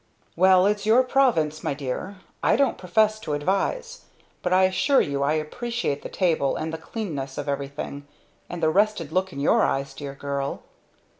"Well, it's your province, my dear. I don't profess to advise. But I assure you I appreciate the table, and the cleanness of everything, and the rested look in your eyes, dear girl!"